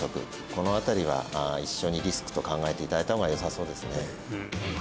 この辺りは一緒にリスクと考えていただいた方がよさそうですね